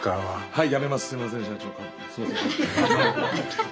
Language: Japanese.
はい！